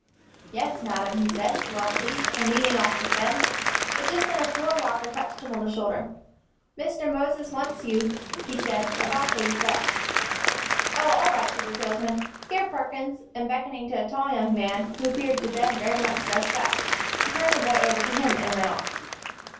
"Yes, madam," he said, well pleased, and leading off with Ben. But just then a floor walker touched him on the shoulder, "Mr. Moses wants you," he said, "about those vests." "Oh, all right," said the salesman; "here, Perkins," and beckoning to a tall young man, who appeared to Ben very much dressed up, he turned the boy over to him, and went off.